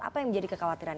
apa yang menjadi kekhawatiran